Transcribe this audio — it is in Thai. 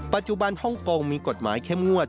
ปัจจุบันฮ่องกงมีกฎหมายเข้มงวด